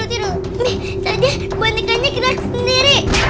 nih tadi bunikanya gerak sendiri